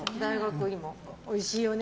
おいしいよね